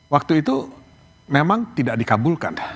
waktu itu memang tidak dikabulkan